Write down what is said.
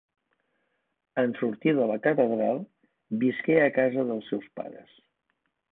En sortir de la catedral, visqué a casa dels seus pares.